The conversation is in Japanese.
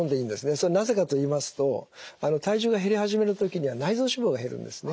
それなぜかといいますとあの体重が減り始めの時には内臓脂肪が減るんですね。